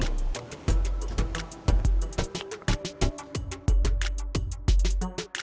nanti pak remon